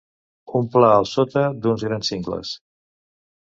Un pla al sota d'uns grans cingles.